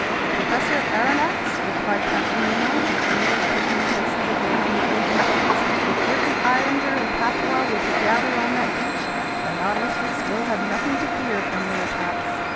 "Professor Aronnax," replied Captain Nemo, whose fingers took their places again on the organ keys, "if every islander in Papua were to gather on that beach, the Nautilus would still have nothing to fear from their attacks!"